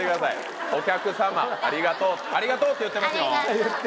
ありがとうありがとうって言ってますよ